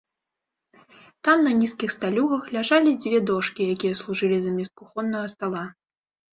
Там на нізкіх сталюгах ляжалі дзве дошкі, якія служылі замест кухоннага стала.